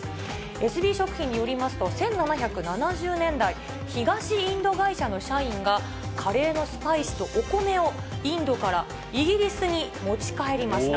エスビー食品によりますと、１７７０年代、東インド会社の社員が、カレーのスパイスとお米をインドからイギリスに持ち帰りました。